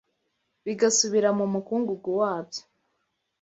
Bigasubira mu mukungugu wabyo